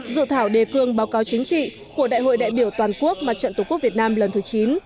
dự thảo đề cương báo cáo chính trị của đại hội đại biểu toàn quốc mặt trận tổ quốc việt nam lần thứ chín